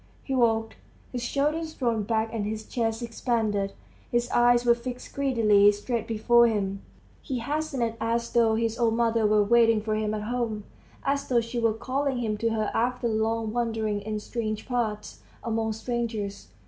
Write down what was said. He walked, his shoulders thrown back and his chest expanded; his eyes were fixed greedily straight before him. He hastened as though his old mother were waiting for him at home, as though she were calling him to her after long wanderings in strange parts, among strangers.